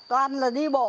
toàn là đi bộ